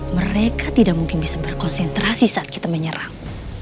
mereka tidak mungkin bisa berkonsentrasi saat kita menyerang